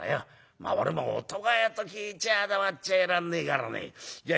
まあ俺も音羽屋と聞いちゃあ黙っちゃいらんねえからねじゃあ